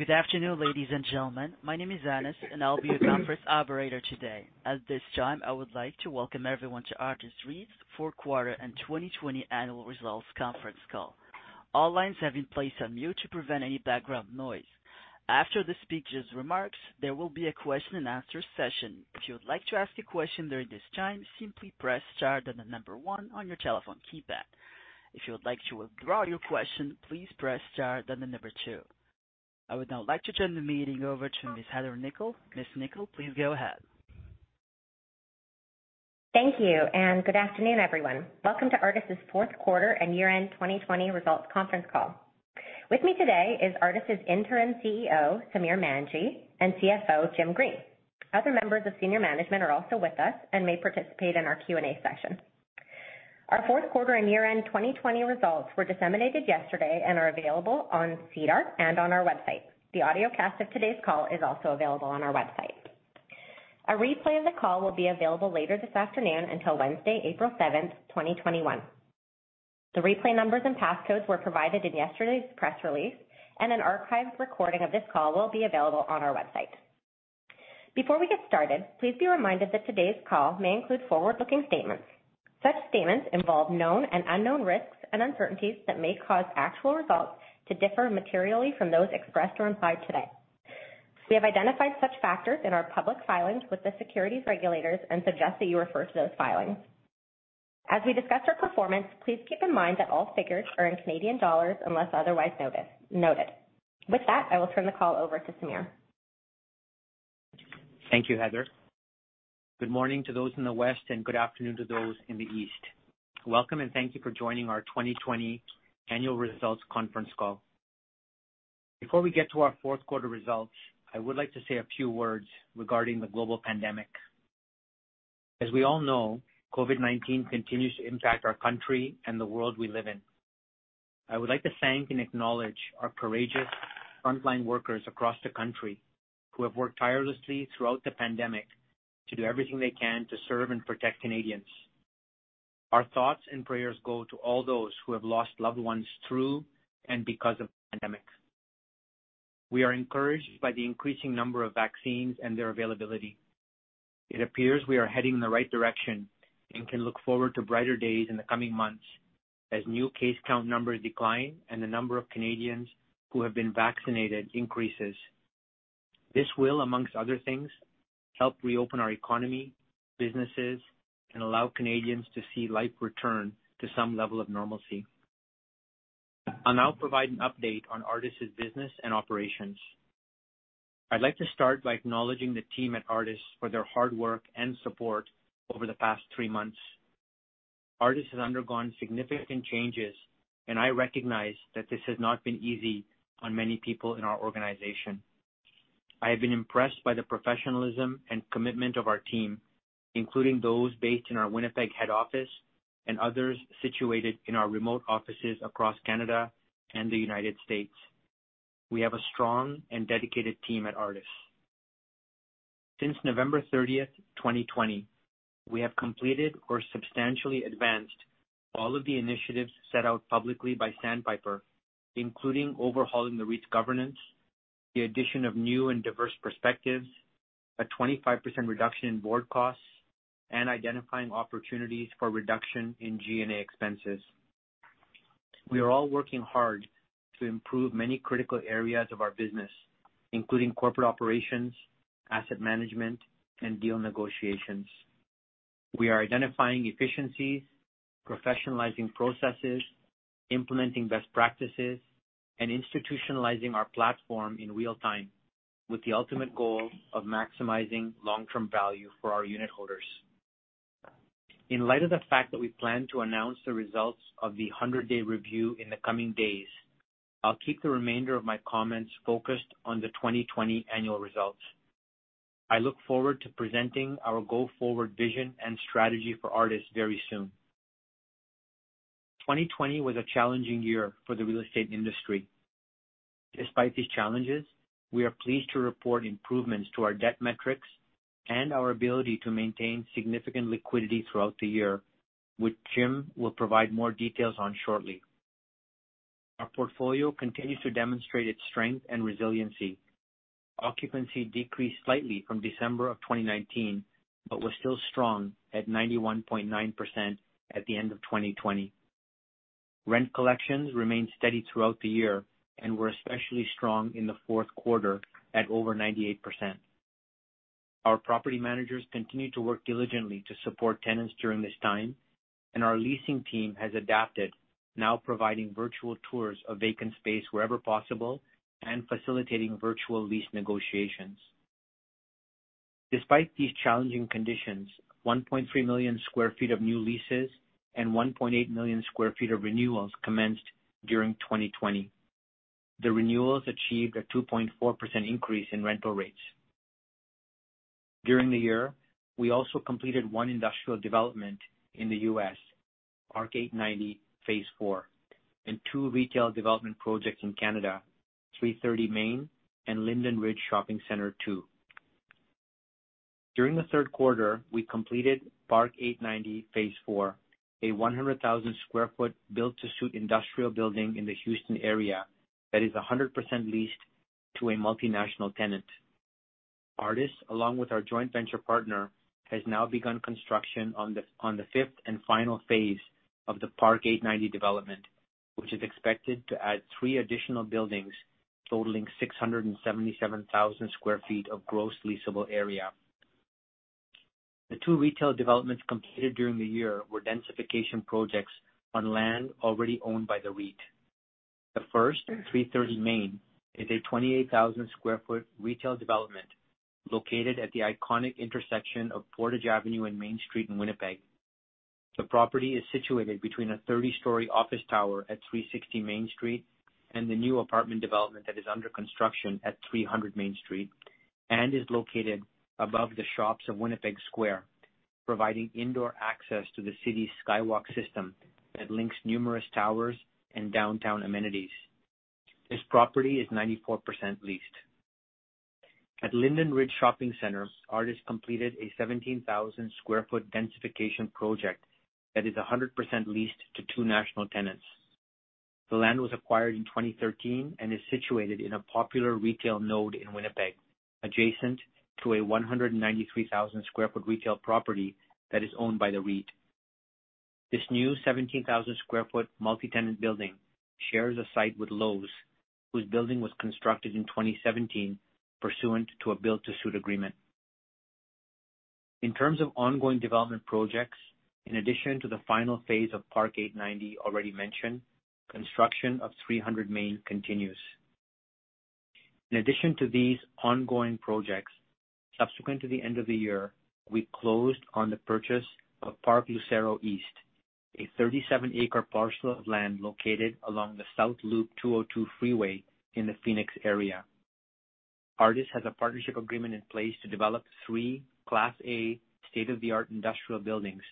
Good afternoon, ladies and gentlemen. My name is Anis, and I'll be your conference operator today. At this time, I would like to welcome everyone to Artis REIT's fourth quarter and 2020 annual results conference call. All lines have been placed on mute to prevent any background noise. After the speakers' remarks, there will be a question-and-answer session. If you would like to ask a question during this time, simply press star, then the number one on your telephone keypad. If you would like to withdraw your question, please press star, then the number two. I would now like to turn the meeting over to Ms. Heather Nikkel. Ms. Nikkel, please go ahead. Thank you. Good afternoon, everyone. Welcome to Artis' fourth quarter and year-end 2020 results conference call. With me today is Artis' Interim CEO, Samir Manji, and CFO, Jim Green. Other members of senior management are also with us and may participate in our Q&A session. Our fourth quarter and year-end 2020 results were disseminated yesterday and are available on SEDAR and on our website. The audiocast of today's call is also available on our website. A replay of the call will be available later this afternoon until Wednesday, April 7th, 2021. The replay numbers and passcodes were provided in yesterday's press release, and an archived recording of this call will be available on our website. Before we get started, please be reminded that today's call may include forward-looking statements. Such statements involve known and unknown risks and uncertainties that may cause actual results to differ materially from those expressed or implied today. We have identified such factors in our public filings with the securities regulators and suggest that you refer to those filings. As we discuss our performance, please keep in mind that all figures are in Canadian dollars, unless otherwise noted. With that, I will turn the call over to Samir. Thank you, Heather. Good morning to those in the West, and good afternoon to those in the East. Welcome, and thank you for joining our 2020 annual results conference call. Before we get to our fourth quarter results, I would like to say a few words regarding the global pandemic. As we all know, COVID-19 continues to impact our country and the world we live in. I would like to thank and acknowledge our courageous frontline workers across the country who have worked tirelessly throughout the pandemic to do everything they can to serve and protect Canadians. Our thoughts and prayers go to all those who have lost loved ones through and because of the pandemic. We are encouraged by the increasing number of vaccines and their availability. It appears we are heading in the right direction and can look forward to brighter days in the coming months as new case count numbers decline and the number of Canadians who have been vaccinated increases. This will, among other things, help reopen our economy, businesses, and allow Canadians to see life return to some level of normalcy. I'll now provide an update on Artis' business and operations. I'd like to start by acknowledging the team at Artis for their hard work and support over the past three months. Artis has undergone significant changes, and I recognize that this has not been easy on many people in our organization. I have been impressed by the professionalism and commitment of our team, including those based in our Winnipeg head office and others situated in our remote offices across Canada and the United States. We have a strong and dedicated team at Artis. Since November 30th, 2020, we have completed or substantially advanced all of the initiatives set out publicly by Sandpiper, including overhauling the REIT's governance, the addition of new and diverse perspectives, a 25% reduction in board costs, and identifying opportunities for reduction in G&A expenses. We are all working hard to improve many critical areas of our business, including corporate operations, asset management, and deal negotiations. We are identifying efficiencies, professionalizing processes, implementing best practices, and institutionalizing our platform in real time with the ultimate goal of maximizing long-term value for our unitholders. In light of the fact that we plan to announce the results of the 100-day review in the coming days, I'll keep the remainder of my comments focused on the 2020 annual results. I look forward to presenting our go-forward vision and strategy for Artis very soon. 2020 was a challenging year for the real estate industry. Despite these challenges, we are pleased to report improvements to our debt metrics and our ability to maintain significant liquidity throughout the year, which Jim will provide more details on shortly. Our portfolio continues to demonstrate its strength and resiliency. Occupancy decreased slightly from December of 2019, but was still strong at 91.9% at the end of 2020. Rent collections remained steady throughout the year and were especially strong in the fourth quarter at over 98%. Our property managers continue to work diligently to support tenants during this time, and our leasing team has adapted, now providing virtual tours of vacant space wherever possible and facilitating virtual lease negotiations. Despite these challenging conditions, 1.3 million square feet of new leases and 1.8 million square feet of renewals commenced during 2020. The renewals achieved a 2.4% increase in rental rates. During the year, we also completed one industrial development in the U.S., Park 8Ninety phase IV, and two retail development projects in Canada, 330 Main and Linden Ridge Shopping Centre 2. During the third quarter, we completed Park 8Ninety phase IV, a 100,000 sq ft built to suit industrial building in the Houston area that is 100% leased to a multinational tenant. Artis, along with our joint venture partner, has now begun construction on the fifth and final phase of the Park 8Ninety development, which is expected to add three additional buildings totaling 677,000 sq ft of gross leasable area. The two retail developments completed during the year were densification projects on land already owned by the REIT. The first, 330 Main, is a 28,000 sq ft retail development located at the iconic intersection of Portage Avenue and Main Street in Winnipeg. The property is situated between a 30-story office tower at 360 Main Street and the new apartment development that is under construction at 300 Main Street and is located above the shops of Winnipeg Square, providing indoor access to the city's skywalk system that links numerous towers and downtown amenities. This property is 94% leased. At Linden Ridge Shopping Center, Artis completed a 17,000 sq ft densification project that is 100% leased to two national tenants. The land was acquired in 2013 and is situated in a popular retail node in Winnipeg, adjacent to a 193,000 sq ft retail property that is owned by the REIT. This new 17,000 sq ft multi-tenant building shares a site with Lowe's, whose building was constructed in 2017 pursuant to a built to suit agreement. In terms of ongoing development projects, in addition to the final phase of Park 8Ninety already mentioned, construction of 300 Main continues. In addition to these ongoing projects, subsequent to the end of the year, we closed on the purchase of Park Lucero East, a 37-acre parcel of land located along the South Loop 202 freeway in the Phoenix area. Artis has a partnership agreement in place to develop three Class A state-of-the-art industrial buildings,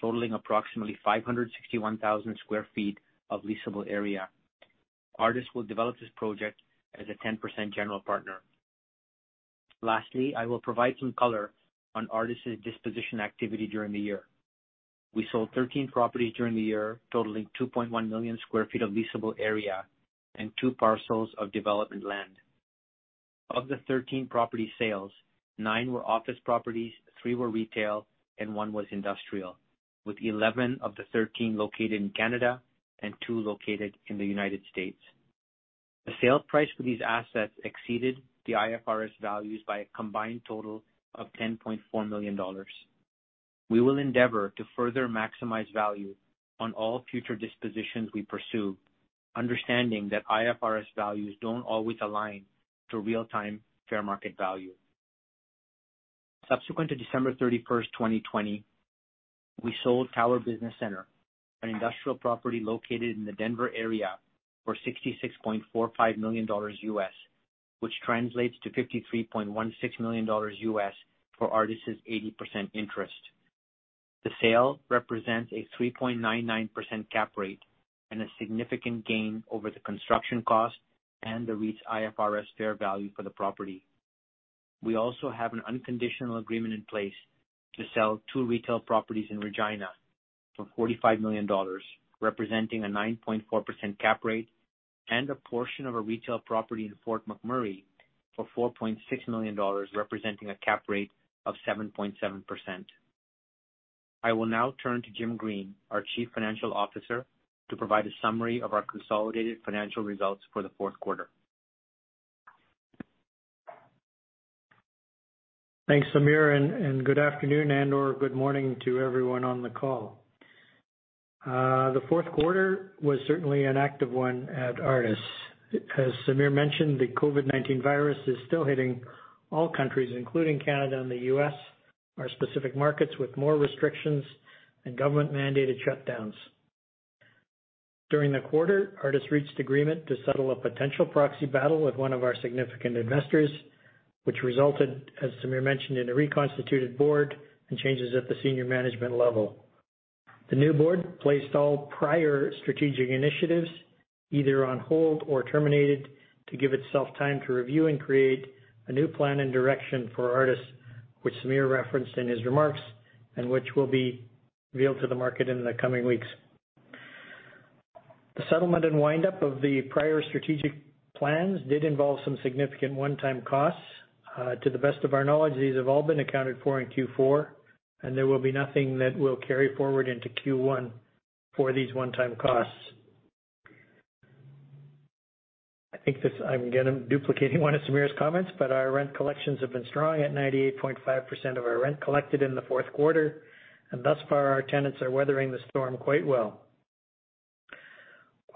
totaling approximately 561,000 sq ft of leasable area. Artis will develop this project as a 10% general partner. Lastly, I will provide some color on Artis' disposition activity during the year. We sold 13 properties during the year, totaling 2.1 million square feet of leasable area and two parcels of development land. Of the 13 property sales, nine were office properties, three were retail, and one was industrial, with 11 of the 13 located in Canada and two located in the United States. The sale price for these assets exceeded the IFRS values by a combined total of 10.4 million dollars. We will endeavor to further maximize value on all future dispositions we pursue, understanding that IFRS values don't always align to real-time fair market value. Subsequent to December 31st, 2020, we sold Tower Business Center, an industrial property located in the Denver area, for $66.45 million, which translates to $53.16 million for Artis' 80% interest. The sale represents a 3.99% cap rate and a significant gain over the construction cost and the REIT's IFRS fair value for the property. We also have an unconditional agreement in place to sell two retail properties in Regina for 45 million dollars, representing a 9.4% cap rate, and a portion of a retail property in Fort McMurray for 4.6 million dollars, representing a cap rate of 7.7%. I will now turn to Jim Green, our Chief Financial Officer, to provide a summary of our consolidated financial results for the fourth quarter. Thanks, Samir. Good afternoon and/or good morning to everyone on the call. The fourth quarter was certainly an active one at Artis. As Samir mentioned, the COVID-19 virus is still hitting all countries, including Canada and the U.S., our specific markets, with more restrictions and government-mandated shutdowns. During the quarter, Artis reached agreement to settle a potential proxy battle with one of our significant investors, which resulted, as Samir mentioned, in a reconstituted board and changes at the senior management level. The new board placed all prior strategic initiatives either on hold or terminated to give itself time to review and create a new plan and direction for Artis, which Samir referenced in his remarks, and which will be revealed to the market in the coming weeks. The settlement and wind-up of the prior strategic plans did involve some significant one-time costs. To the best of our knowledge, these have all been accounted for in Q4, and there will be nothing that will carry forward into Q1 for these one-time costs. I think I am going to duplicate one of Samir's comments, but our rent collections have been strong at 98.5% of our rent collected in the fourth quarter, and thus far, our tenants are weathering the storm quite well.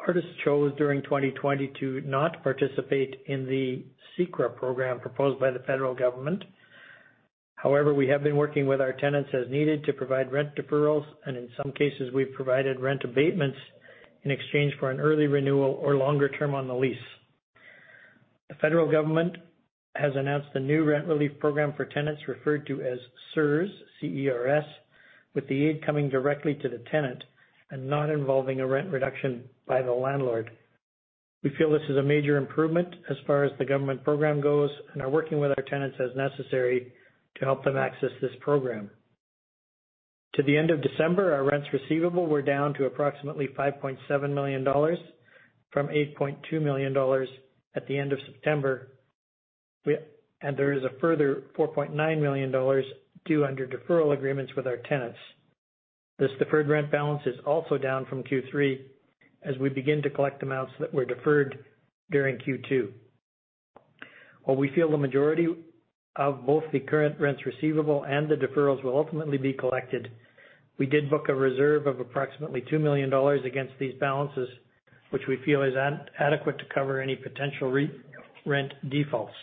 Artis chose during 2020 to not participate in the CECRA program proposed by the federal government. However, we have been working with our tenants as needed to provide rent deferrals, and in some cases, we have provided rent abatements in exchange for an early renewal or longer-term on the lease. The federal government has announced a new rent relief program for tenants referred to as CERS, C-E-R-S, with the aid coming directly to the tenant and not involving a rent reduction by the landlord. We feel this is a major improvement as far as the government program goes. We are working with our tenants as necessary to help them access this program. To the end of December, our rents receivable were down to approximately 5.7 million dollars, from 8.2 million dollars at the end of September. There is a further 4.9 million dollars due under deferral agreements with our tenants. This deferred rent balance is also down from Q3 as we begin to collect amounts that were deferred during Q2. While we feel the majority of both the current rents receivable and the deferrals will ultimately be collected, we did book a reserve of approximately 2 million dollars against these balances, which we feel is adequate to cover any potential rent defaults.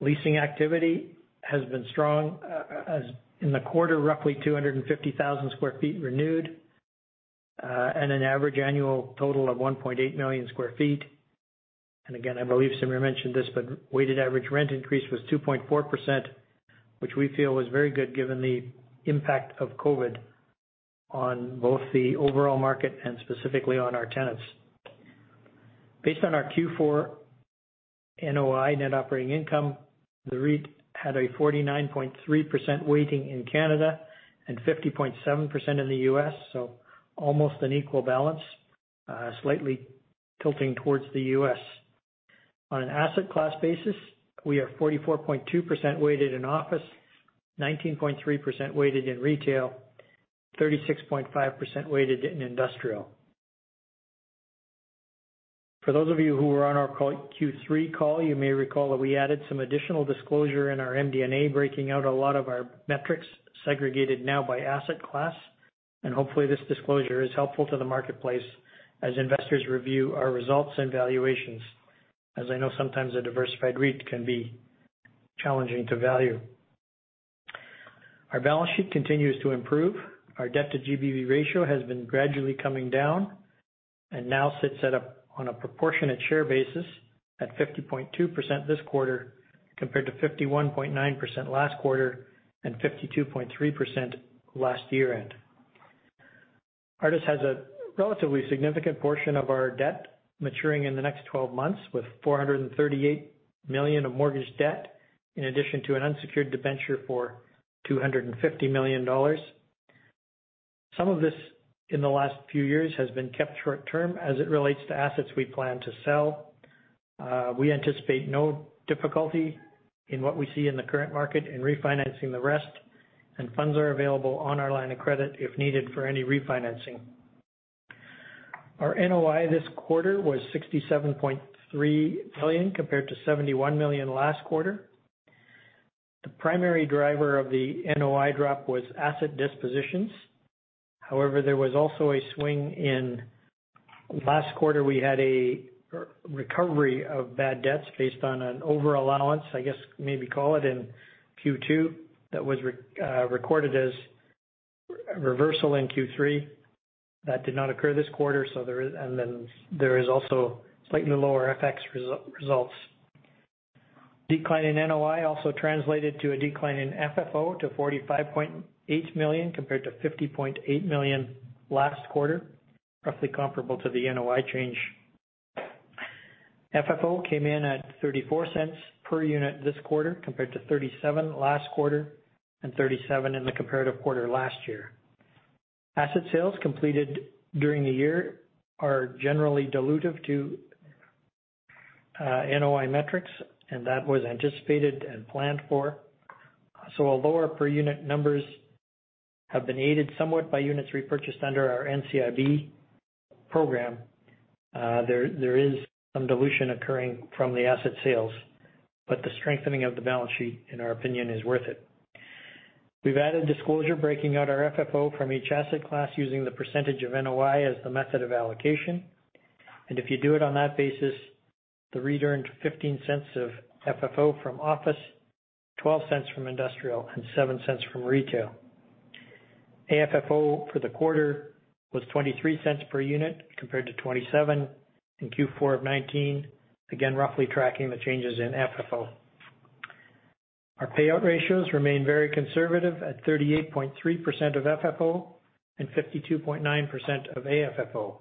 Leasing activity has been strong. An average annual total of 1.8 million square feet. In the quarter, roughly 250,000 sq ft renewed. Again, I believe Samir mentioned this, but weighted average rent increase was 2.4%, which we feel was very good given the impact of COVID on both the overall market and specifically on our tenants. Based on our Q4 NOI, net operating income, the REIT had a 49.3% weighting in Canada and 50.7% in the U.S., almost an equal balance, slightly tilting towards the U.S. On an asset class basis, we are 44.2% weighted in office, 19.3% weighted in retail, 36.5% weighted in industrial. For those of you who were on our Q3 call, you may recall that we added some additional disclosure in our MD&A, breaking out a lot of our metrics, segregated now by asset class. Hopefully this disclosure is helpful to the marketplace as investors review our results and valuations, as I know sometimes a diversified REIT can be challenging to value. Our balance sheet continues to improve. Our debt-to-GBV ratio has been gradually coming down and now sits at a, on a proportionate share basis, at 50.2% this quarter, compared to 51.9% last quarter and 52.3% last year-end. Artis has a relatively significant portion of our debt maturing in the next 12 months, with 438 million of mortgage debt, in addition to an unsecured debenture for 250 million dollars. Some of this, in the last few years, has been kept short-term as it relates to assets we plan to sell. We anticipate no difficulty in what we see in the current market in refinancing the rest, and funds are available on our line of credit if needed for any refinancing. Our NOI this quarter was 67.3 million compared to 71 million last quarter. The primary driver of the NOI drop was asset dispositions. There was also a swing. Last quarter we had a recovery of bad debts based on an over-allowance, I guess maybe call it, in Q2 that was recorded as reversal in Q3. That did not occur this quarter. Then there is also slightly lower FX results. Decline in NOI also translated to a decline in FFO to 45.8 million compared to 50.8 million last quarter, roughly comparable to the NOI change. FFO came in at 0.34 per unit this quarter compared to 0.37 last quarter and 0.37 in the comparative quarter last year. Asset sales completed during the year are generally dilutive to NOI metrics, and that was anticipated and planned for. Although our per unit numbers have been aided somewhat by units repurchased under our NCIB program, there is some dilution occurring from the asset sales, but the strengthening of the balance sheet, in our opinion, is worth it. We've added disclosure breaking out our FFO from each asset class using the percentage of NOI as the method of allocation. If you do it on that basis, the REIT earned 0.15 of FFO from office, 0.12 from industrial, and 0.07 from retail. AFFO for the quarter was 0.23 per unit compared to 0.27 in Q4 of 2019, again, roughly tracking the changes in FFO. Our payout ratios remain very conservative at 38.3% of FFO and 52.9% of AFFO.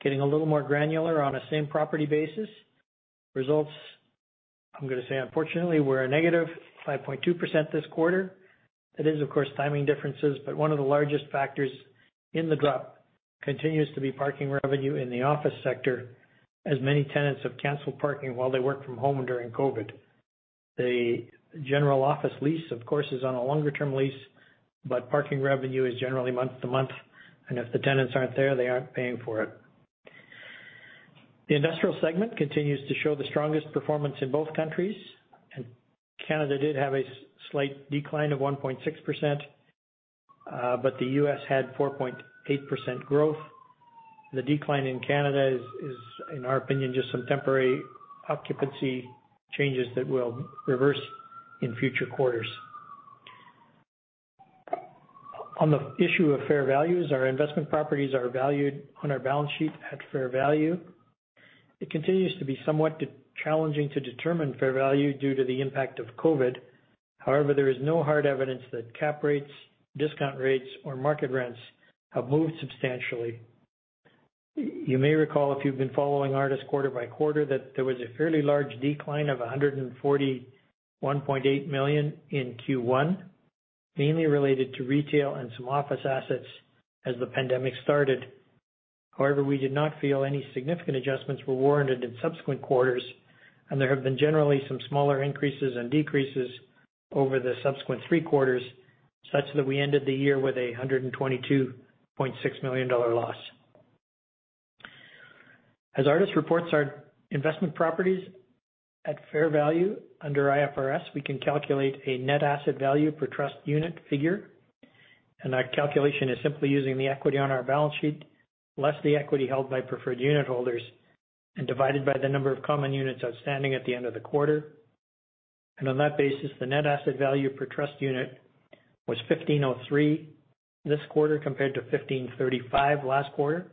Getting a little more granular on a same property basis, results, I'm going to say unfortunately, were -5.2% this quarter. It is, of course, timing differences, but one of the largest factors in the drop continues to be parking revenue in the office sector, as many tenants have canceled parking while they work-from-home during COVID. The general office lease, of course, is on a longer-term lease, but parking revenue is generally month to month, and if the tenants aren't there, they aren't paying for it. The industrial segment continues to show the strongest performance in both countries, Canada did have a slight decline of 1.6%, but the U.S. had 4.8% growth. The decline in Canada is, in our opinion, just some temporary occupancy changes that will reverse in future quarters. On the issue of fair values, our investment properties are valued on our balance sheet at fair value. It continues to be somewhat challenging to determine fair value due to the impact of COVID. However, there is no hard evidence that cap rates, discount rates, or market rents have moved substantially. You may recall, if you've been following Artis quarter by quarter, that there was a fairly large decline of 141.8 million in Q1, mainly related to retail and some office assets as the pandemic started. However, we did not feel any significant adjustments were warranted in subsequent quarters, and there have been generally some smaller increases and decreases over the subsequent three quarters, such that we ended the year with a 122.6 million dollar loss. As Artis reports our investment properties at fair value under IFRS, we can calculate a net asset value per trust unit figure. Our calculation is simply using the equity on our balance sheet, less the equity held by preferred unit holders and divided by the number of common units outstanding at the end of the quarter. On that basis, the net asset value per trust unit was 15.03 this quarter, compared to 15.35 last quarter.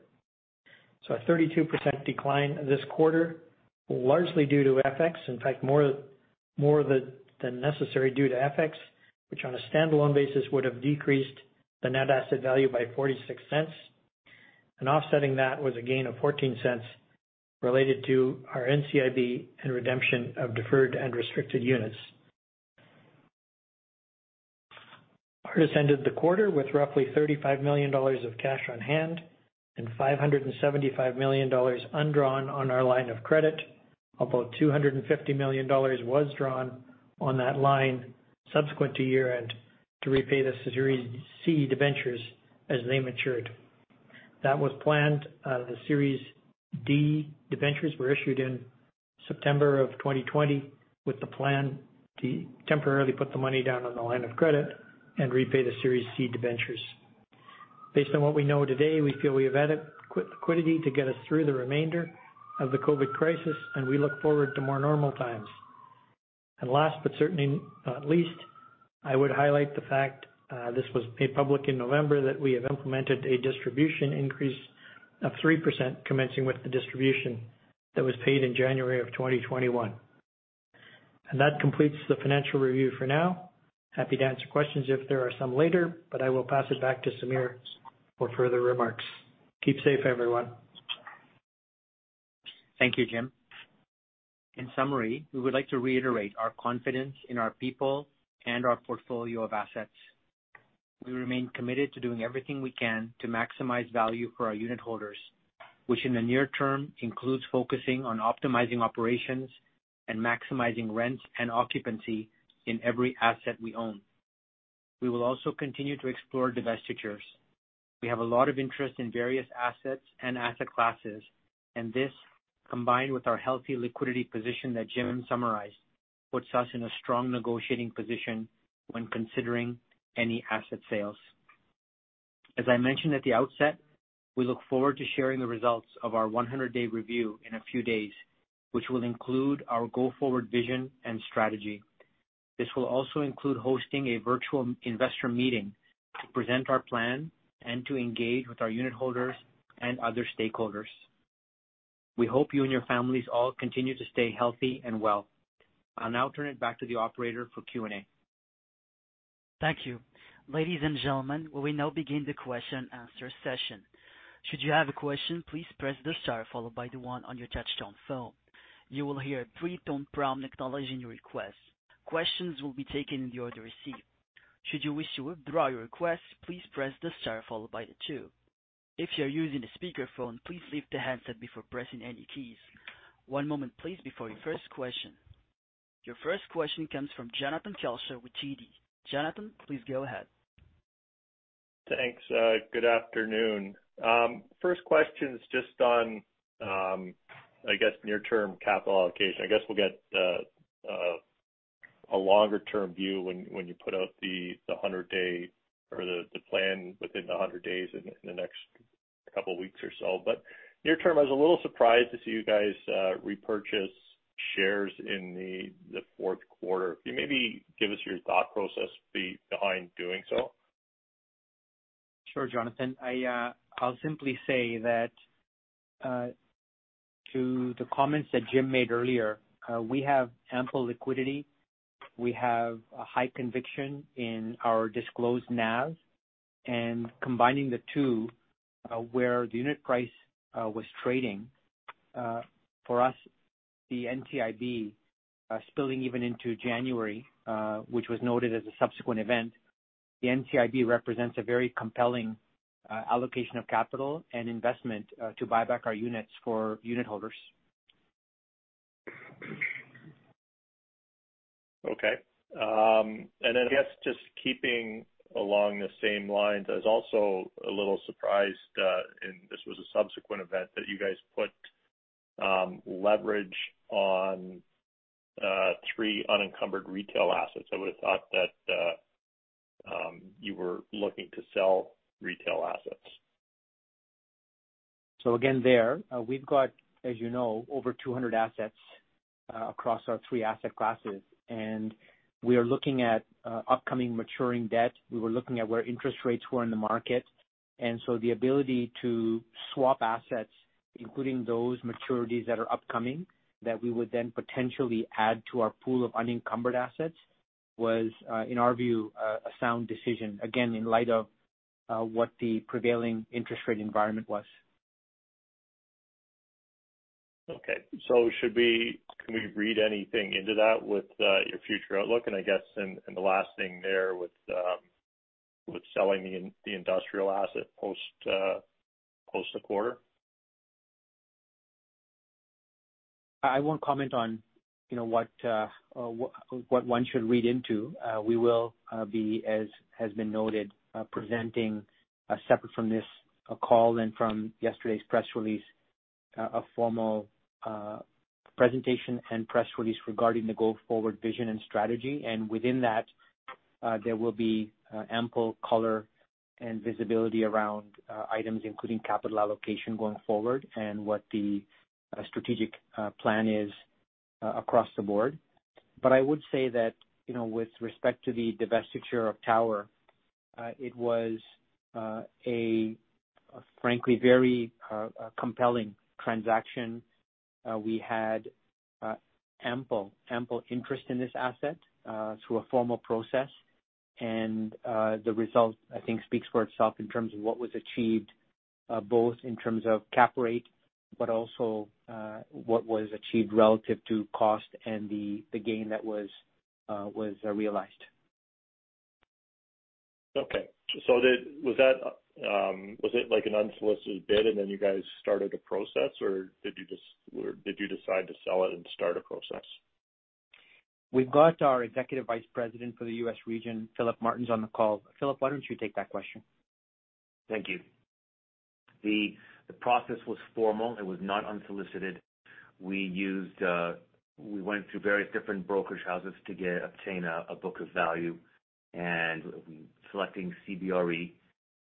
A 32% decline this quarter, largely due to FX. In fact, more than necessary due to FX, which on a standalone basis would have decreased the net asset value by 0.46. Offsetting that was a gain of 0.14 related to our NCIB and redemption of deferred and restricted units. Artis ended the quarter with roughly 35 million dollars of cash on hand and 575 million dollars undrawn on our line of credit. About 250 million dollars was drawn on that line subsequent to year-end to repay the Series C debentures as they matured. The Series D debentures were issued in September of 2020 with the plan to temporarily put the money down on the line of credit and repay the Series C debentures. Based on what we know today, we feel we have adequate liquidity to get us through the remainder of the COVID crisis. We look forward to more normal times. Last but certainly not least, I would highlight the fact, this was made public in November, that we have implemented a distribution increase of 3% commencing with the distribution that was paid in January of 2021. That completes the financial review for now. Happy to answer questions if there are some later, but I will pass it back to Samir for further remarks. Keep safe, everyone. Thank you, Jim. In summary, we would like to reiterate our confidence in our people and our portfolio of assets. We remain committed to doing everything we can to maximize value for our unit holders, which in the near-term includes focusing on optimizing operations and maximizing rent and occupancy in every asset we own. We will also continue to explore divestitures. We have a lot of interest in various assets and asset classes, and this, combined with our healthy liquidity position that Jim summarized, puts us in a strong negotiating position when considering any asset sales. As I mentioned at the outset, we look forward to sharing the results of our 100-day review in a few days, which will include our go-forward vision and strategy. This will also include hosting a virtual investor meeting to present our plan and to engage with our unit holders and other stakeholders. We hope you and your families all continue to stay healthy and well. I'll now turn it back to the operator for Q&A. Thank you. Ladies and gentlemen, we will now begin the question-and-answer session. Should you have a question, please press the star followed by the one on your touch-tone phone. You will hear a three-tone prompt acknowledging your request. Questions will be taken in the order received. Should you wish to withdraw your request, please press the star followed by the two. If you're using a speakerphone, please lift the handset before pressing any keys. One moment please before your first question. Your first question comes from Jonathan Kelcher with TD. Jonathan, please go ahead. Thanks. Good afternoon. First question is just on, I guess, near-term capital allocation. I guess we'll get a longer-term view when you put out the plan within the 100 days in the next couple of weeks or so. Near-term, I was a little surprised to see you guys repurchase shares in the fourth quarter. Can you maybe give us your thought process behind doing so? Sure, Jonathan. I'll simply say that to the comments that Jim made earlier, we have ample liquidity. We have a high conviction in our disclosed NAV. Combining the two, where the unit price was trading, for us, the NCIB spilling even into January, which was noted as a subsequent event. The NCIB represents a very compelling allocation of capital and investment to buy back our units for unitholders. Okay. I guess just keeping along the same lines, I was also a little surprised, and this was a subsequent event that you guys put leverage on three unencumbered retail assets. I would have thought that you were looking to sell retail assets. Again there, we've got, as you know, over 200 assets across our three asset classes. We are looking at upcoming maturing debt. We were looking at where interest rates were in the market. The ability to swap assets, including those maturities that are upcoming, that we would then potentially add to our pool of unencumbered assets, was, in our view, a sound decision, again, in light of what the prevailing interest rate environment was. Okay. Can we read anything into that with your future outlook? I guess, the last thing there with selling the industrial asset post the quarter. I won't comment on what one should read into. We will be, as has been noted, presenting, separate from this call and from yesterday's press release, a formal presentation and press release regarding the go-forward vision and strategy. Within that, there will be ample color and visibility around items, including capital allocation going forward and what the strategic plan is across the board. I would say that with respect to the divestiture of Tower, it was a frankly very compelling transaction. We had ample interest in this asset through a formal process. The result, I think, speaks for itself in terms of what was achieved, both in terms of cap rate, but also what was achieved relative to cost and the gain that was realized. Okay. Was it an unsolicited bid and then you guys started a process, or did you decide to sell it and start a process? We've got our Executive Vice President for the U.S. Region, Philip Martens, on the call. Philip, why don't you take that question? Thank you. The process was formal. It was not unsolicited. We went through various different brokerage houses to obtain a book of value. Selecting CBRE,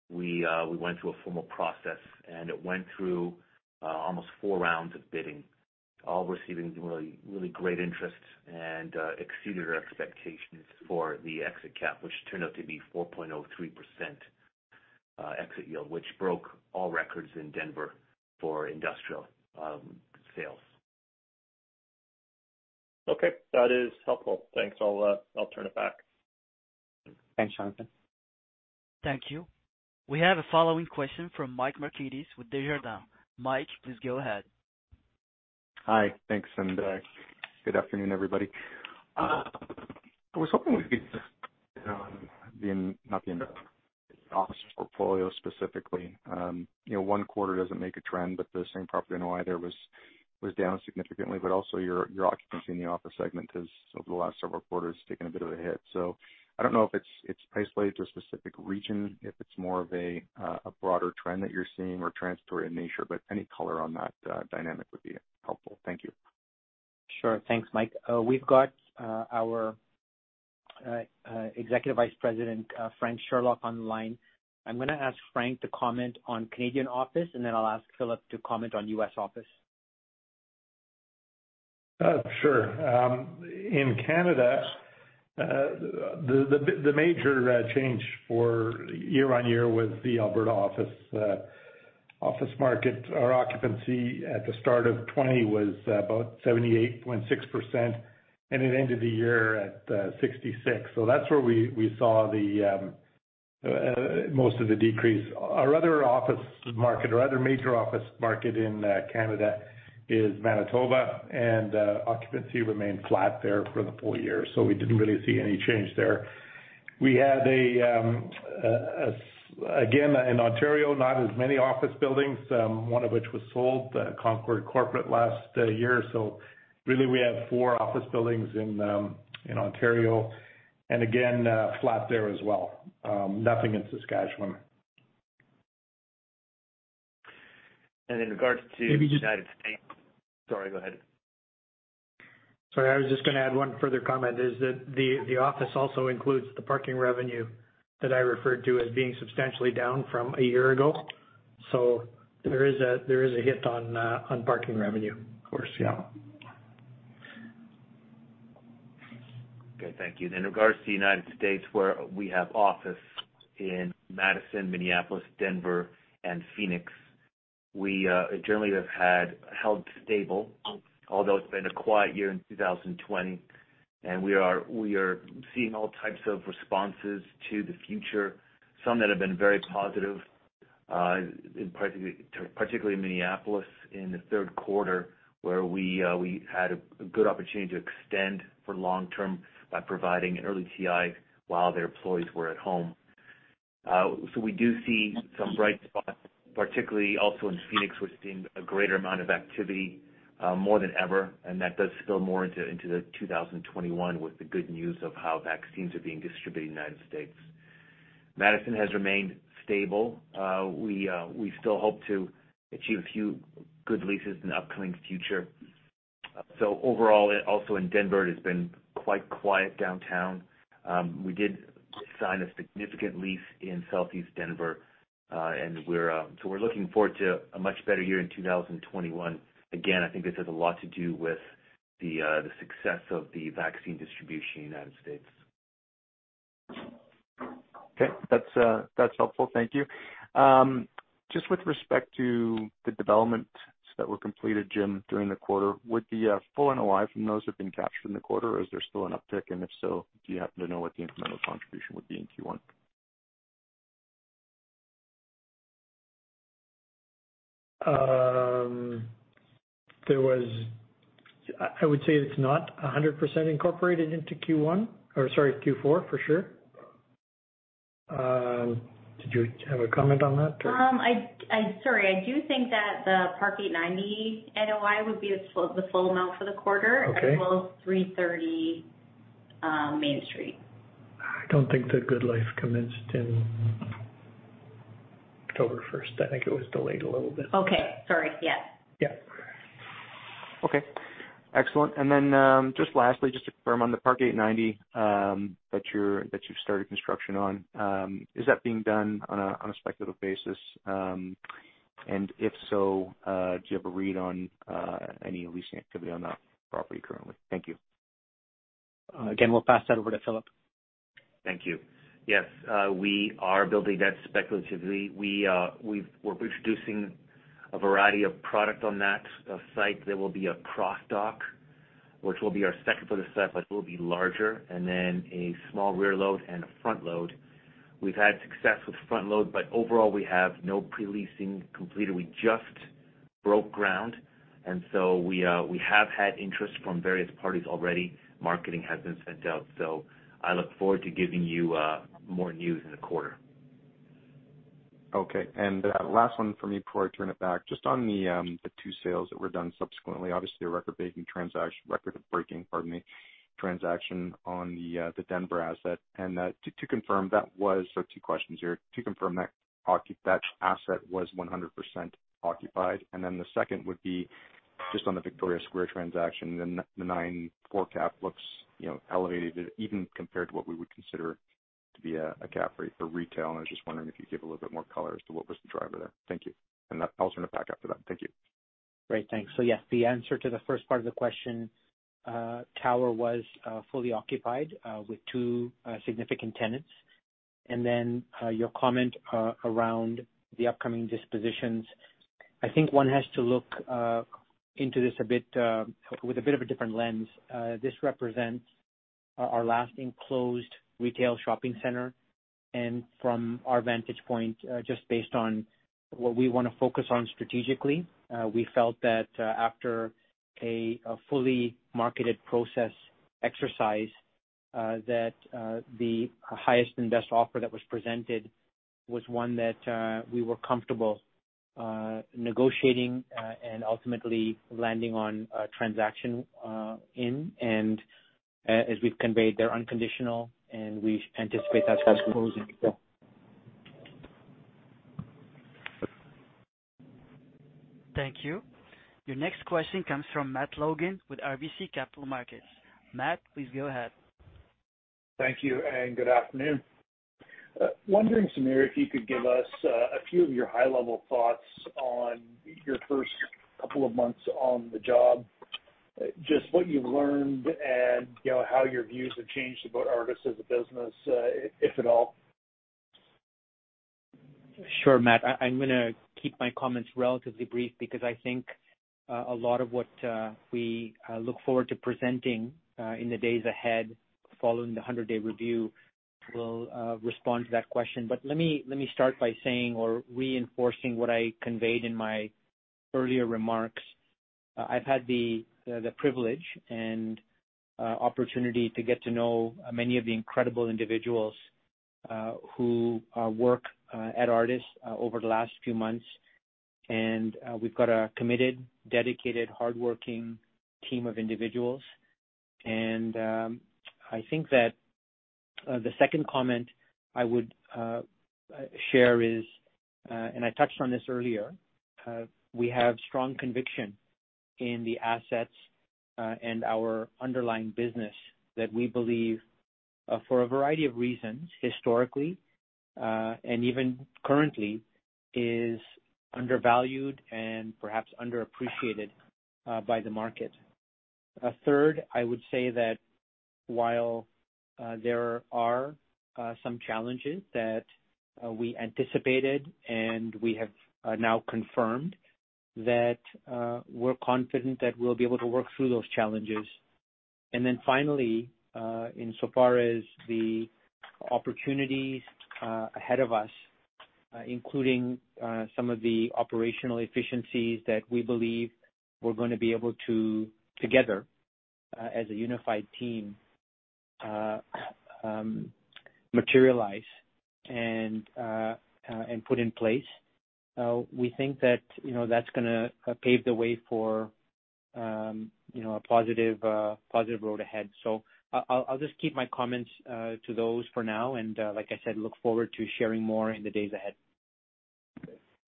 we went through a formal process, and it went through almost four rounds of bidding, all receiving really great interest and exceeded our expectations for the exit cap, which turned out to be 4.03% exit yield, which broke all records in Denver for industrial sales. Okay. That is helpful. Thanks. I'll turn it back. Thanks, Jonathan. Thank you. We have a following question from Mike Markidis with Desjardins. Mike, please go ahead. Hi. Thanks, good afternoon, everybody. I was hoping we could not the office portfolio specifically. One quarter doesn't make a trend, the same property NOI there was down significantly, but also your occupancy in the office segment has, over the last several quarters, taken a bit of a hit. I don't know if it's price related to a specific region, if it's more of a broader trend that you're seeing or transitory in nature, but any color on that dynamic would be helpful. Thank you. Sure. Thanks, Mike. We've got our Executive Vice President, Frank Sherlock, on the line. I'm going to ask Frank to comment on Canadian office, and then I'll ask Philip to comment on U.S. office. Sure. In Canada, the major change for year-on-year was the Alberta office market. Our occupancy at the start of 2020 was about 78.6%, and it ended the year at 66. That's where we saw most of the decrease. Our other major office market in Canada is Manitoba, and occupancy remained flat there for the full year. We didn't really see any change there. We had, again, in Ontario, not as many office buildings, one of which was sold, the Concord Corporate, last year. Really, we have four office buildings in Ontario, and again, flat there as well. Nothing in Saskatchewan. In regards to the U.S. Sorry, go ahead. Sorry, I was just going to add one further comment, is that the office also includes the parking revenue that I referred to as being substantially down from a year ago. There is a hit on parking revenue. Of course, yeah. Okay, thank you. In regards to the United States, where we have office in Madison, Minneapolis, Denver, and Phoenix, we generally have held stable, although it's been a quiet year in 2020, we are seeing all types of responses to the future, some that have been very positive, particularly in Minneapolis in the third quarter, where we had a good opportunity to extend for long-term by providing an early TI while their employees were at home. We do see some bright spots, particularly also in Phoenix. We're seeing a greater amount of activity more than ever, That does spill more into the 2021 with the good news of how vaccines are being distributed in the United States. Madison has remained stable. We still hope to achieve a few good leases in the upcoming future. Overall, also in Denver, it has been quite quiet downtown. We did sign a significant lease in Southeast Denver. We're looking forward to a much better year in 2021. Again, I think this has a lot to do with the success of the vaccine distribution in the U.S. Okay. That's helpful. Thank you. Just with respect to the developments that were completed, Jim, during the quarter, would the full NOI from those have been captured in the quarter or is there still an uptick? If so, do you happen to know what the incremental contribution would be in Q1? I would say it's not 100% incorporated into Q4 for sure. Did you have a comment on that? Sorry. I do think that the Park 8Ninety NOI would be the full amount for the quarter. Okay. As well as 330 Main Street. I don't think The GoodLife commenced in October 1st. I think it was delayed a little bit. Okay. Sorry. Yes. Yeah. Okay. Excellent. Just lastly, just to confirm on the Park 8Ninety that you've started construction on. Is that being done on a speculative basis? If so, do you have a read on any leasing activity on that property currently? Thank you. Again, we'll pass that over to Philip. Thank you. Yes. We are building that speculatively. We're introducing a variety of product on that site. There will be a cross dock, which will be our second for the set, but it will be larger, and then a small rear load and a front load. We've had success with front load. Overall, we have no pre-leasing completed. We just broke ground. We have had interest from various parties already. Marketing has been sent out. I look forward to giving you more news in a quarter. Last one from me before I turn it back. Just on the two sales that were done subsequently, obviously, a record-breaking, pardon me, transaction on the Denver asset. Two questions here. To confirm that asset was 100% occupied. The second would be just on the Victoria Square transaction, the 9% core cap looks elevated even compared to what we would consider to be a cap rate for retail. I was just wondering if you could give a little bit more color as to what was the driver there. Thank you. I'll turn it back after that. Thank you. Great. Thanks. Yes, the answer to the first part of the question, Tower was fully occupied with two significant tenants. Your comment around the upcoming dispositions. I think one has to look into this with a bit of a different lens. This represents our last enclosed retail shopping center. From our vantage point, just based on what we want to focus on strategically, we felt that after a fully marketed process exercise, that the highest and best offer that was presented was one that we were comfortable negotiating and ultimately landing on a transaction in. As we've conveyed, they're unconditional, and we anticipate that closing. Thank you. Your next question comes from Matt Logan with RBC Capital Markets. Matt, please go ahead. Thank you, and good afternoon. Wondering, Samir, if you could give us a few of your high-level thoughts on your first couple of months on the job, just what you've learned and how your views have changed about Artis as a business, if at all. Sure, Matt. I'm going to keep my comments relatively brief because I think a lot of what we look forward to presenting in the days ahead following the 100-day review will respond to that question. Let me start by saying or reinforcing what I conveyed in my earlier remarks. I've had the privilege and opportunity to get to know many of the incredible individuals who work at Artis over the last few months. We've got a committed, dedicated, hardworking team of individuals. I think that the second comment I would share is, and I touched on this earlier, we have strong conviction in the assets and our underlying business that we believe, for a variety of reasons historically, and even currently, is undervalued and perhaps underappreciated by the market. A third, I would say that while there are some challenges that we anticipated, and we have now confirmed, that we're confident that we'll be able to work through those challenges. Finally, insofar as the opportunities ahead of us, including some of the operational efficiencies that we believe we're going to be able to, together as a unified team, materialize and put in place. We think that's going to pave the way for a positive road ahead. I'll just keep my comments to those for now. Like I said, look forward to sharing more in the days ahead.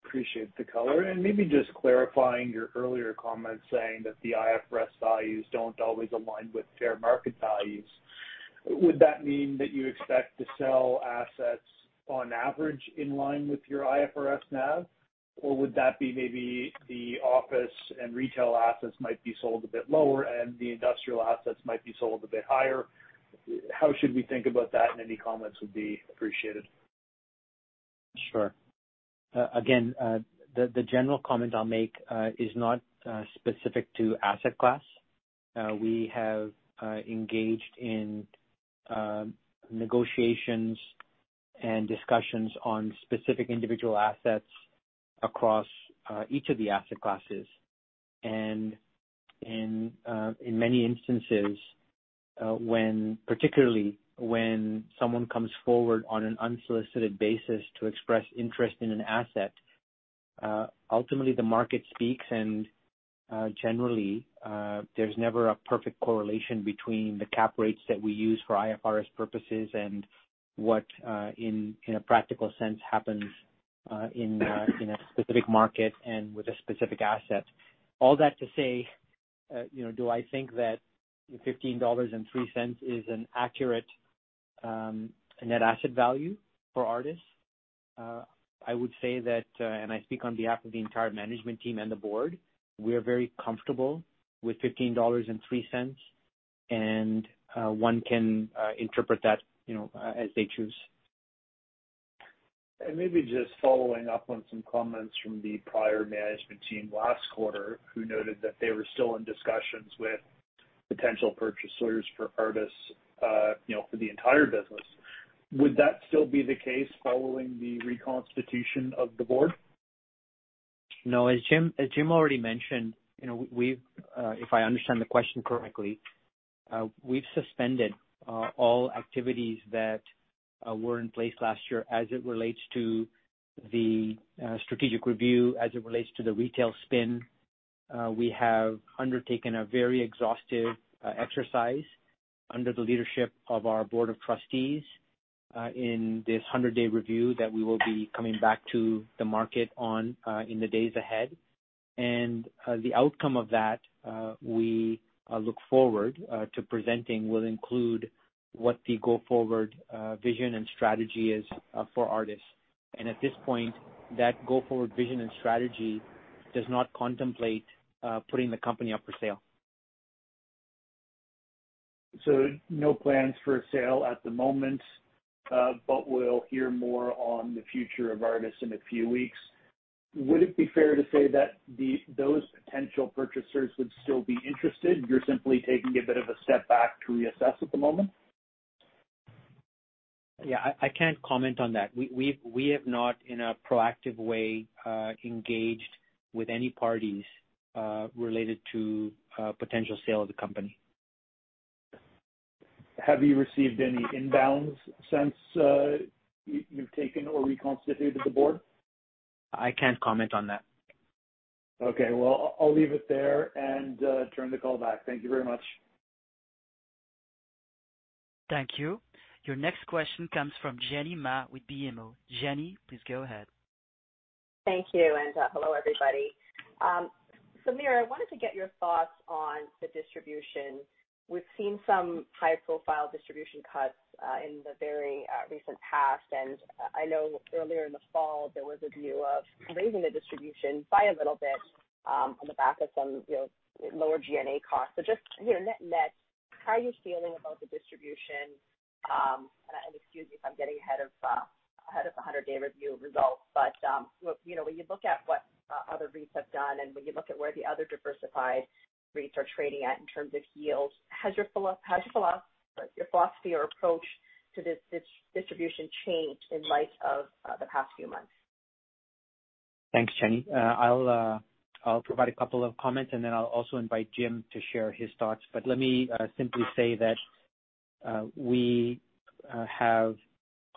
Appreciate the color, and maybe just clarifying your earlier comment saying that the IFRS values don't always align with fair market values. Would that mean that you expect to sell assets on average in line with your IFRS NAV? Or would that be maybe the office and retail assets might be sold a bit lower and the industrial assets might be sold a bit higher? How should we think about that? And any comments would be appreciated. Sure. Again, the general comment I'll make is not specific to asset class. We have engaged in negotiations and discussions on specific individual assets across each of the asset classes. In many instances, particularly when someone comes forward on an unsolicited basis to express interest in an asset, ultimately the market speaks and generally, there's never a perfect correlation between the cap rates that we use for IFRS purposes and what in a practical sense happens in a specific market and with a specific asset. All that to say, do I think that 15.03 dollars is an accurate net asset value for Artis? I would say that, and I speak on behalf of the entire management team and the board, we are very comfortable with 15.03 dollars and one can interpret that as they choose. Maybe just following up on some comments from the prior management team last quarter, who noted that they were still in discussions with potential purchasers for Artis for the entire business. Would that still be the case following the reconstitution of the board? No. As Jim already mentioned, if I understand the question correctly, we've suspended all activities that were in place last year as it relates to the strategic review, as it relates to the retail spin. We have undertaken a very exhaustive exercise under the leadership of our board of trustees in this 100-day review that we will be coming back to the market on in the days ahead. The outcome of that, we look forward to presenting, will include what the go-forward vision and strategy is for Artis. At this point, that go-forward vision and strategy does not contemplate putting the company up for sale. No plans for a sale at the moment, but we'll hear more on the future of Artis in a few weeks. Would it be fair to say that those potential purchasers would still be interested, you're simply taking a bit of a step back to reassess at the moment? Yeah. I can't comment on that. We have not, in a proactive way, engaged with any parties related to potential sale of the company. Have you received any inbounds since you've taken or reconstituted the board? I can't comment on that. Okay. Well, I'll leave it there and turn the call back. Thank you very much. Thank you. Your next question comes from Jenny Ma with BMO. Jenny, please go ahead. Thank you, hello everybody. Samir, I wanted to get your thoughts on the distribution. We've seen some high-profile distribution cuts in the very recent past. I know earlier in the fall there was a view of raising the distribution by a little bit on the back of some lower G&A costs. Just net, how are you feeling about the distribution? Excuse me if I'm getting ahead of the 100-day review results, but when you look at what other REITs have done, and when you look at where the other diversified REITs are trading at in terms of yields, has your philosophy or approach to this distribution changed in light of the past few months? Thanks, Jenny. I'll provide a couple of comments and then I'll also invite Jim to share his thoughts. Let me simply say that we have,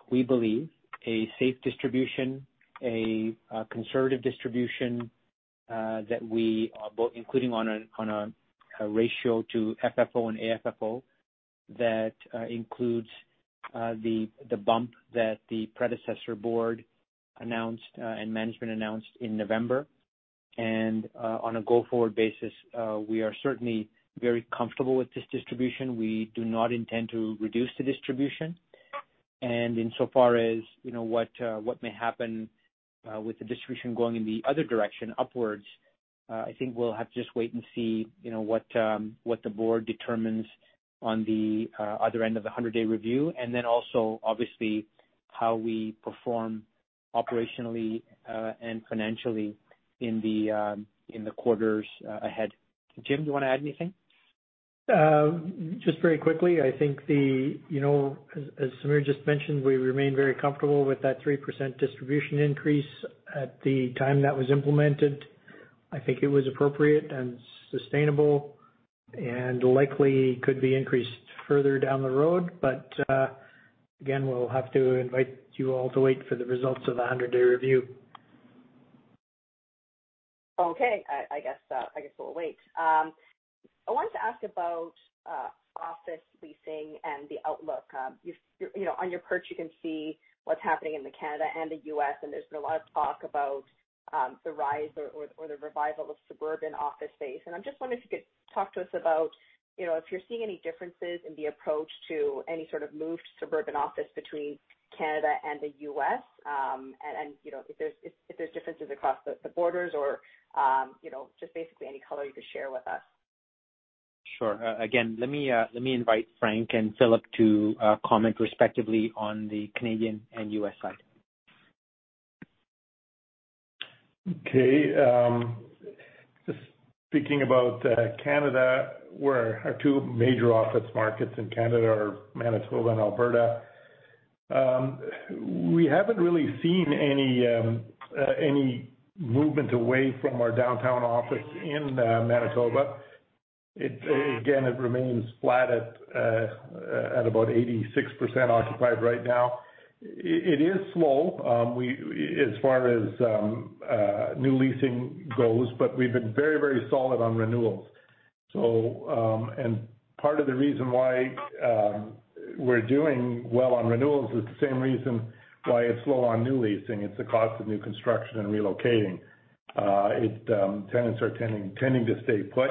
we believe, a safe distribution, a conservative distribution, including on a ratio to FFO and AFFO that includes the bump that the predecessor board announced, and management announced in November. On a go-forward basis, we are certainly very comfortable with this distribution. We do not intend to reduce the distribution. Insofar as what may happen with the distribution going in the other direction upwards, I think we'll have to just wait and see what the board determines on the other end of the 100-day review. Then also, obviously, how we perform operationally and financially in the quarters ahead. Jim, do you want to add anything? Just very quickly, I think as Samir just mentioned, we remain very comfortable with that 3% distribution increase at the time that was implemented. I think it was appropriate and sustainable and likely could be increased further down the road. Again, we'll have to invite you all to wait for the results of the 100-day review. Okay. I guess we'll wait. I wanted to ask about office leasing and the outlook. On your perch, you can see what's happening in Canada and the U.S., there's been a lot of talk about the rise or the revival of suburban office space. I'm just wondering if you could talk to us about if you're seeing any differences in the approach to any sort of move to suburban office between Canada and the U.S., if there's differences across the borders or just basically any color you could share with us. Sure. Again, let me invite Frank and Philip to comment respectively on the Canadian and U.S. side. Okay. Just speaking about Canada, where our two major office markets in Canada are Manitoba and Alberta. We haven't really seen any movement away from our downtown office in Manitoba. Again, it remains flat at about 86% occupied right now. It is slow as far as new leasing goes, but we've been very solid on renewals. Part of the reason why we're doing well on renewals is the same reason why it's slow on new leasing. It's the cost of new construction and relocating. Tenants are tending to stay put,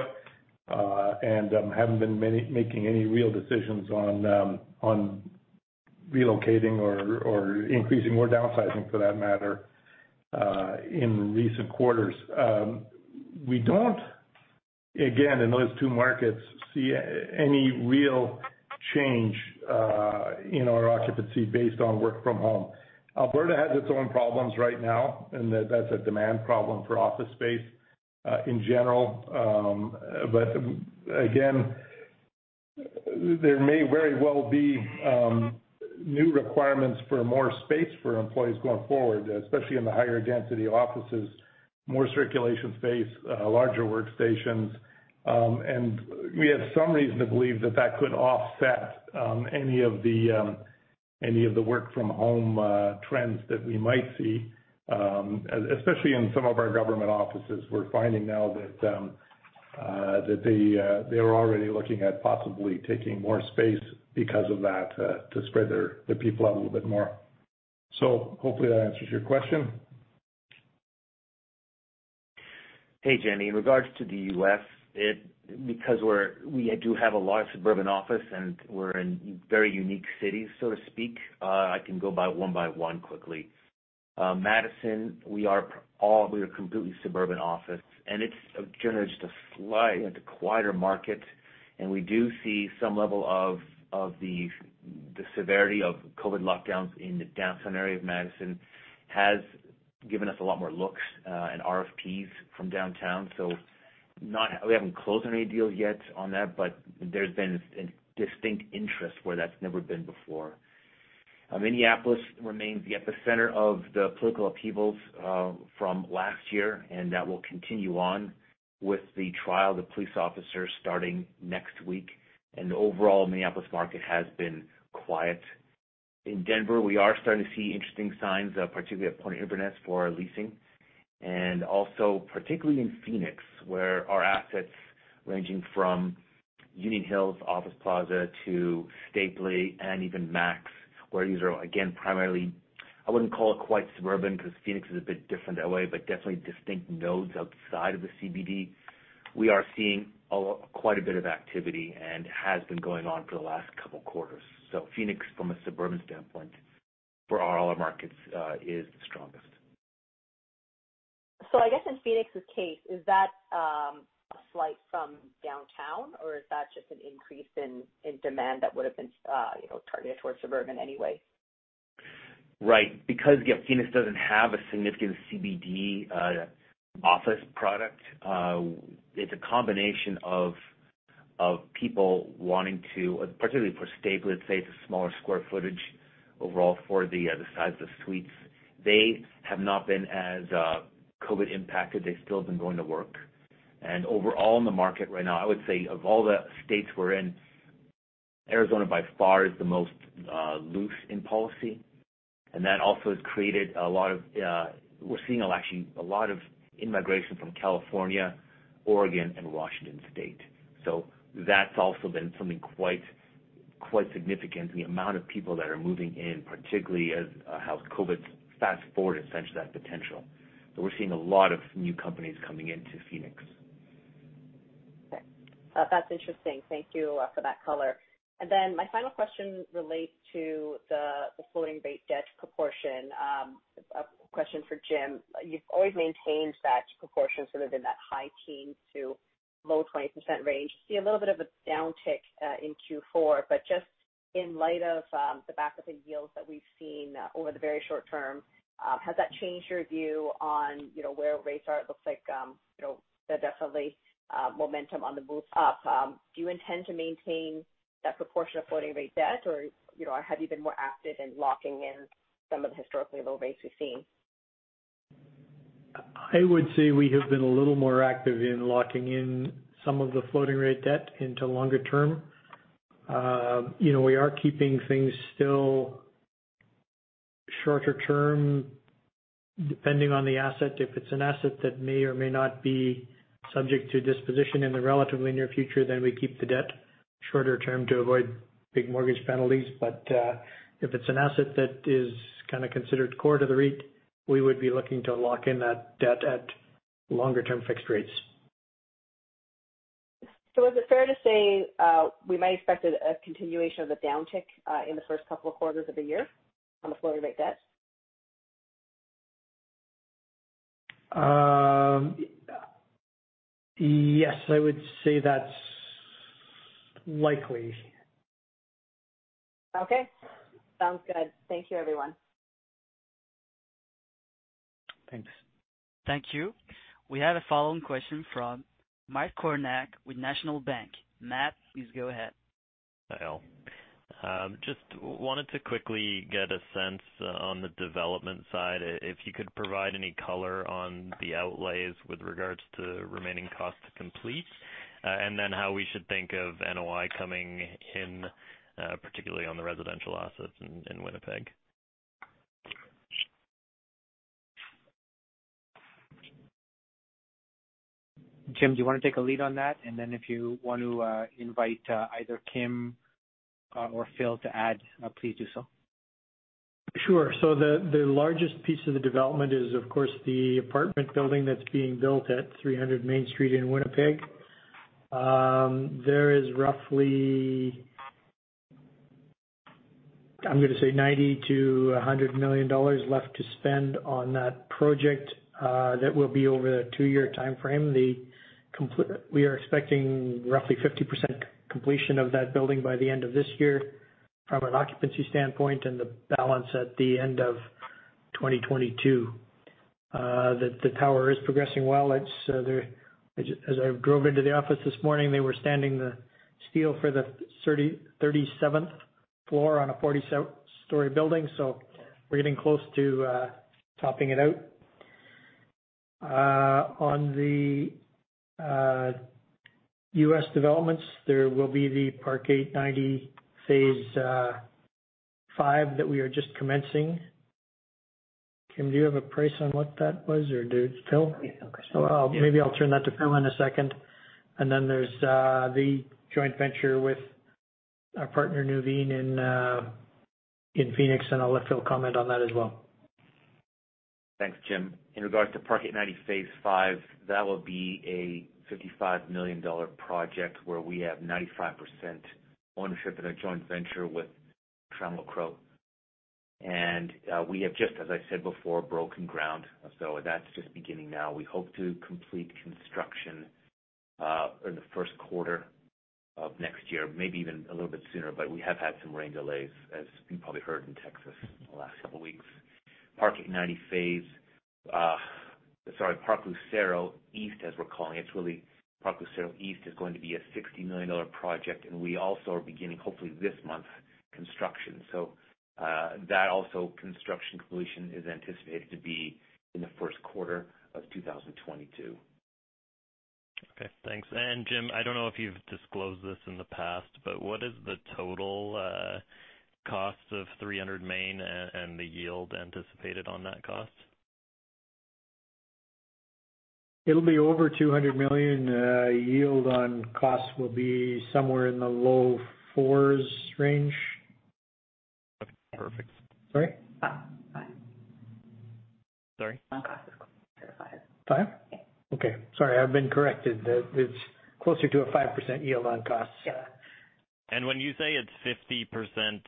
and haven't been making any real decisions on relocating or increasing or downsizing for that matter, in recent quarters. We don't, again, in those two markets, see any real change in our occupancy based on work-from-home. Alberta has its own problems right now, and that's a demand problem for office space in general. Again, there may very well be new requirements for more space for employees going forward, especially in the higher density offices, more circulation space, larger workstations. We have some reason to believe that that could offset any of the work-from-home trends that we might see, especially in some of our government offices. We're finding now that they are already looking at possibly taking more space because of that to spread their people out a little bit more. Hopefully that answers your question. Hey, Jenny. In regards to the U.S., because we do have a lot of suburban office and we're in very unique cities, so to speak, I can go by one by one quickly. Madison, we are completely suburban office, and it's generally just a slightly quieter market, and we do see some level of the severity of COVID lockdowns in the downtown area of Madison has given us a lot more looks and RFPs from downtown. We haven't closed any deals yet on that, but there's been a distinct interest where that's never been before. Minneapolis remains the epicenter of the political upheavals from last year, and that will continue on with the trial of the police officer starting next week. The overall Minneapolis market has been quiet. In Denver, we are starting to see interesting signs, particularly at Point Inverness for our leasing, and also particularly in Phoenix, where our assets ranging from Union Hills Office Plaza to Stapley and even MAX, where these are, again, primarily, I wouldn't call it quite suburban because Phoenix is a bit different to L.A., but definitely distinct nodes outside of the CBD. We are seeing quite a bit of activity and has been going on for the last couple quarters. Phoenix, from a suburban standpoint for all our markets, is the strongest. I guess in Phoenix's case, is that a flight from downtown or is that just an increase in demand that would've been targeted towards suburban anyway? Right. Because Phoenix doesn't have a significant CBD office product, it's a combination of people wanting to, particularly for Stapley, let's say it's a smaller square footage overall for the size of the suites. They have not been as COVID impacted. They've still been going to work. Overall in the market right now, I would say of all the states we're in, Arizona by far is the most loose in policy. That also has created a lot of in-migration from California, Oregon, and Washington State. That's also been something quite significant in the amount of people that are moving in, particularly as how COVID's fast-forwarded essentially that potential. We're seeing a lot of new companies coming into Phoenix. Okay. That's interesting. Thank you for that color. My final question relates to the floating rate debt proportion. A question for Jim. You've always maintained that proportion sort of in that high teens to low 20% range. See a little bit of a downtick in Q4, but just in light of the back of the yields that we've seen over the very short-term, has that changed your view on where rates are? It looks like there's definitely momentum on the move up. Do you intend to maintain that proportion of floating rate debt or have you been more active in locking in some of the historically low rates we've seen? I would say we have been a little more active in locking in some of the floating rate debt into longer-term. We are keeping things still. Shorter-term, depending on the asset. If it's an asset that may or may not be subject to disposition in the relatively near future, we keep the debt shorter-term to avoid big mortgage penalties. If it's an asset that is kind of considered core to the REIT, we would be looking to lock in that debt at longer-term fixed rates. Is it fair to say we might expect a continuation of the downtick in the first couple of quarters of the year on the floating rate debt? Yes, I would say that's likely. Okay, sounds good. Thank you everyone. Thanks. Thank you. We have a follow-on question from Matt Kornack with National Bank. Matt, please go ahead. Just wanted to quickly get a sense on the development side, if you could provide any color on the outlays with regards to remaining costs to complete, and then how we should think of NOI coming in, particularly on the residential assets in Winnipeg. Jim, do you want to take a lead on that? If you want to invite either Kim or Phil to add, please do so. Sure. The largest piece of the development is, of course, the apartment building that's being built at 300 Main Street in Winnipeg. There is roughly, I'm going to say 90 million to 100 million dollars left to spend on that project. That will be over the two-year timeframe. We are expecting roughly 50% completion of that building by the end of this year from an occupancy standpoint, and the balance at the end of 2022. The tower is progressing well. As I drove into the office this morning, they were standing the steel for the 37th floor on a 47-story building. We're getting close to topping it out. On the U.S. developments, there will be the Park 8Ninety phase V that we are just commencing. Kim, do you have a price on what that was, or Phil? Yes. Maybe I'll turn that to Phil in a second. Then there's the joint venture with our partner Nuveen in Phoenix, and I'll let Phil comment on that as well. Thanks, Jim. In regards to Park 8Ninety phase V, that will be a 55 million dollar project where we have 95% ownership in a joint venture with Trammell Crow. We have just, as I said before, broken ground. That's just beginning now. We hope to complete construction in the first quarter of next year, maybe even a little bit sooner, but we have had some rain delays, as you probably heard in Texas the last couple weeks. Park Lucero East, as we're calling it, is going to be a 60 million dollar project, and we also are beginning, hopefully this month, construction. That also, construction completion is anticipated to be in the first quarter of 2022. Okay, thanks. Jim, I don't know if you've disclosed this in the past, but what is the total cost of 300 Main and the yield anticipated on that cost? It'll be over 200 million. Yield on costs will be somewhere in the low fours range. Okay, perfect. Sorry? 5%. Sorry? On cost is closer to five. 5%? Yeah. Okay. Sorry, I've been corrected. It's closer to a 5% yield on costs. Yeah. When you say it's 50%, is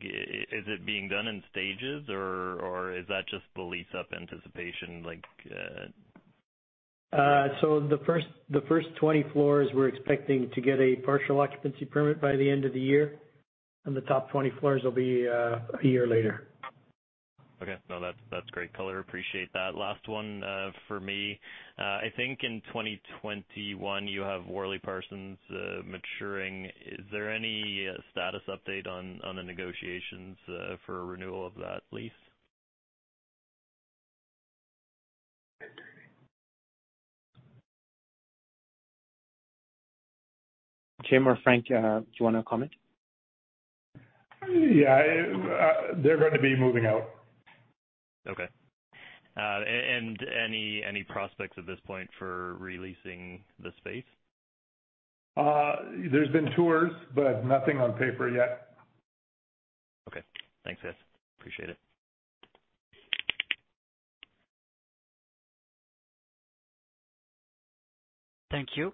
it being done in stages, or is that just the lease-up anticipation? The first 20 floors, we're expecting to get a partial occupancy permit by the end of the year, and the top 20 floors will be a year later. Okay. No, that's great color. Appreciate that. Last one from me. I think in 2021, you have WorleyParsons maturing. Is there any status update on the negotiations for a renewal of that lease? Jim or Frank, do you want to comment? They're going to be moving out. Okay. Any prospects at this point for re-leasing the space? There's been tours, but nothing on paper yet. Okay. Thanks, guys. Appreciate it. Thank you.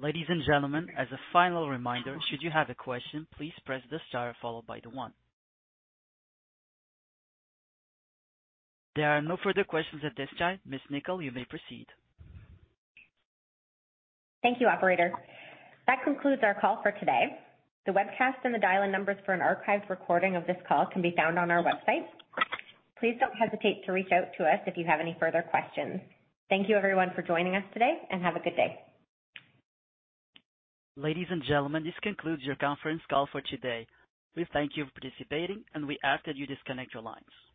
Ladies and gentlemen, as a final reminder, should you have a question, please press the star followed by the one. There are no further questions at this time. Ms. Nikkel, you may proceed. Thank you, operator. That concludes our call for today. The webcast and the dial-in numbers for an archived recording of this call can be found on our website. Please don't hesitate to reach out to us if you have any further questions. Thank you everyone for joining us today, and have a good day. Ladies and gentlemen, this concludes your conference call for today. We thank you for participating, and we ask that you disconnect your lines.